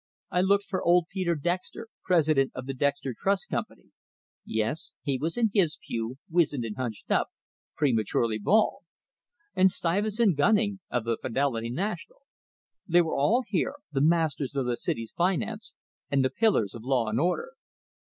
I looked for old Peter Dexter, president of the Dexter Trust company yes, he was in his pew, wizened and hunched up, prematurely bald. And Stuyvesant Gunning, of the Fidelity National they were all here, the masters of the city's finance and the pillars of "law and order."